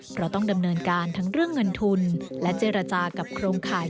เพราะต้องดำเนินการทั้งเรื่องเงินทุนและเจรจากับโครงข่าย